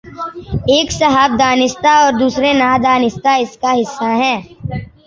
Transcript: ایک صاحب دانستہ اور دوسرے نادانستہ اس کا حصہ ہیں۔